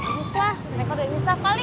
baguslah mereka udah nyesel kali